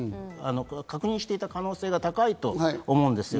確認していた可能性が高いと思うんですよ。